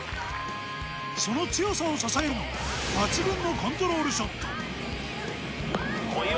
その強さを支えるのが抜群のコントロールショット。